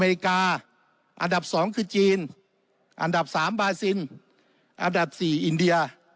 อเมริกาอันดับสองคือจีนอันดับสามอันดับสี่อินเดีย